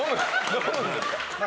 飲むんですか？